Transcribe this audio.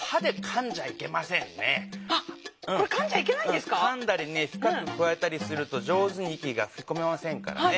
かんだりふかくくわえたりすると上手に息がふきこめませんからね。